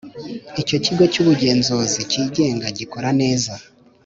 Icyo kigo cy ubugenzuzi kigenga gikora neza